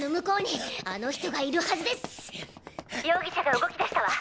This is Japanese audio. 容疑者が動き出したわ！